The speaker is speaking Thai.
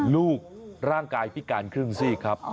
ลูกร่างกายพิการครึ่งซีกครับ